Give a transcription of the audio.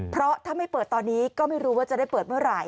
เพราะถ้าไม่เปิดตอนนี้ก็ไม่รู้ว่าจะได้เปิดเมื่อไหร่